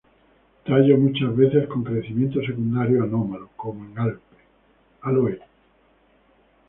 Tallos muchas veces con crecimiento secundario anómalo, como en "Aloe".